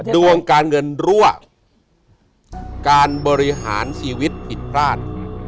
ดวงการเงินรั่วการบริหารชีวิตผิดพลาด